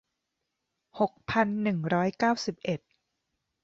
หกพันหนึ่งร้อยเก้าสิบเอ็ด